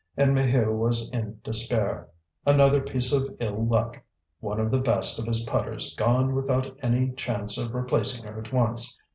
And Maheu was in despair; another piece of ill luck; one of the best of his putters gone without any chance of replacing her at once.